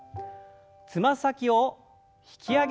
つま先を引き上げる運動です。